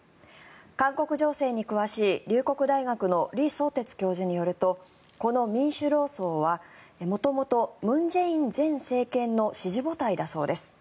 韓国情勢に詳しい龍谷大学の李相哲教授によるとこの民主労総は元々、文在寅前政権の支持母体だそうです。